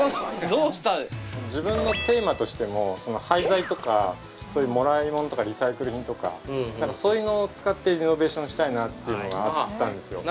自分のテーマとしても廃材とかそういうもらい物とかリサイクル品とかそういうのを使ってリノベーションしたいなっていうのがあったんですよ。